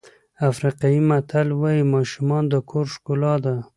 افریقایي متل وایي ماشومان د کور ښکلا ده.